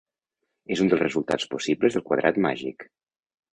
És un dels resultats possibles del quadrat màgic.